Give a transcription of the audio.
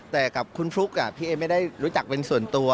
แต่กับคุณฟลุ๊กพี่เอไม่ได้รู้จักเป็นส่วนตัว